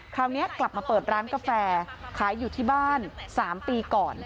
คราวนี้กลับมาเปิดร้านกาแฟขายอยู่ที่บ้าน๓ปีก่อน